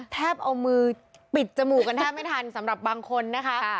เอามือปิดจมูกกันแทบไม่ทันสำหรับบางคนนะคะ